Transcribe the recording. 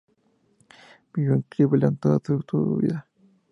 Vivió en Cleveland toda su vida.